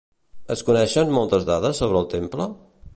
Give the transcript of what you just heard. Es coneixen moltes dades sobre el temple?